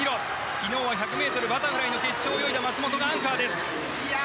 昨日は１００ｍバタフライの決勝を泳いだ松元がアンカーです。